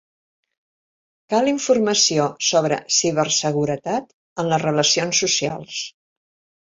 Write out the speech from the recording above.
Cal informació sobre ciberseguretat en les relacions socials.